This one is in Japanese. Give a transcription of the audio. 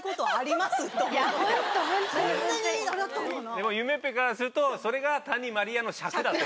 でも夢っぺからするとそれが谷まりあの尺だと。